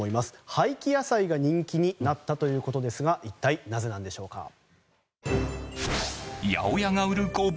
廃棄野菜が人気になったということですが一体なぜなんでしょうか。